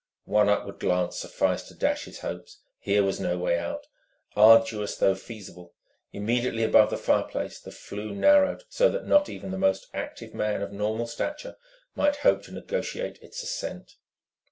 One upward glance sufficed to dash his hopes: here was no way out, arduous though feasible; immediately above the fireplace the flue narrowed so that not even the most active man of normal stature might hope to negotiate its ascent.